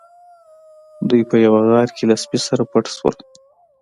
دوی په یوه غار کې له سپي سره پټ شول.